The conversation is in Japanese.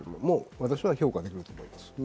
私は評価できると思います。